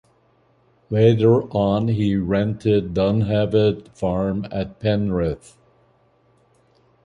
Later on he rented Dunheved farm at Penrith.